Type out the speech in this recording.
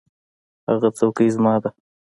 هغه څوکۍ زما ده.